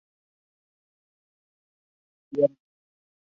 Debutó ante los Toronto Raptors, no consiguiendo anotar ni un punto.